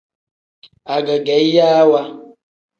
Agegeyiwa.